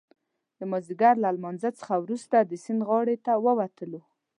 د مازدیګر له لمانځه څخه وروسته د سیند غاړې ته ووتلو.